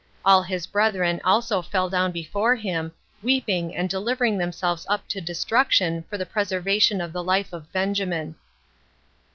All his brethren also fell down before him, weeping and delivering themselves up to destruction for the preservation of the life of Benjamin.